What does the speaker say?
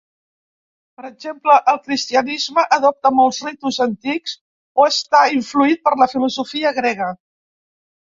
Per exemple, el cristianisme adapta molts ritus antics o està influït per la filosofia grega.